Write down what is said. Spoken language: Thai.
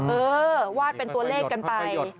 เออวาดเป็นตัวเลขกันไป